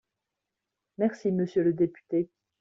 Merci, monsieur le député.